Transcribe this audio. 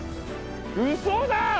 ウソだ！